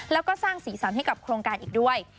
แล้วก็สร้างสีสันให้กับโครงการอีกด้วย